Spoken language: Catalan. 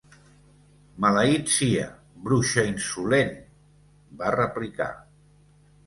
'Maleït sia, bruixa insolent!', va replicar.